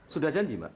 sudah janji mbak